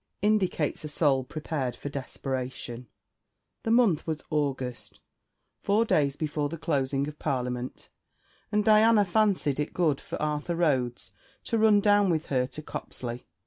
INDICATES A SOUL PREPARED FOR DESPERATION The month was August, four days before the closing of Parliament, and Diana fancied it good for Arthur Rhodes to run down with her to Copsley.